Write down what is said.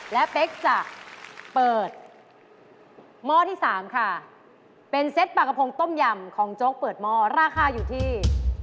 และเป๊กจะเปิดหม้อที่๓ค่ะเป็นเซ็ตปลากระพงต้มยำของโจ๊กเปิดหม้อราคาอยู่ที่